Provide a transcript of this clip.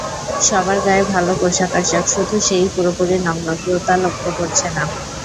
সবার গায়ে ভালো পোশাকআশাক, শুধু সে-ই পুরোপুরি নগ্ন কেউ তা লক্ষ করছে না!